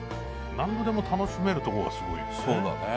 何度でも楽しめるとこがすごいですよね。